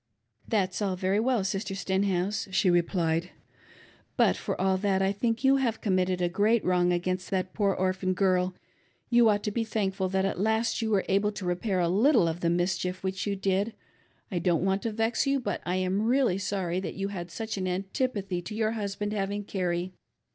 " That's all very jyell. Sister Stenhouse," she replied, " butf i^qr all th^t, I think you have committed a great wrong against that poor orphan girl. You ought to be thankful that at last you were able to repair a little of the mischief which you did. I don't want to vex you, but I am really sorry that you had such an antipathy to your husband having Carrie.